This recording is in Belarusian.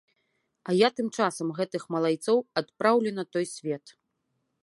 А я тым часам гэтых малайцоў адпраўлю на той свет.